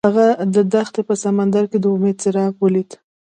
هغه د دښته په سمندر کې د امید څراغ ولید.